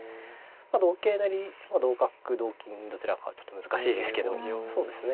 同桂成同角同金どちらかはちょっと難しいですけどそうですね